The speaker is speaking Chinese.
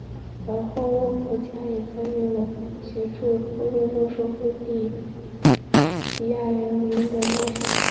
而后沃夫加也参与了协助布鲁诺收复地底矮人城秘银厅的冒险。